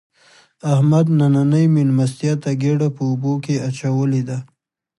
احمد نننۍ مېلمستیا ته ګېډه په اوبو کې اچولې ده.